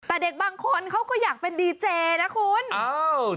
แต่เด็กบางคนเขาก็อยากเป็นดีเจนะคุณ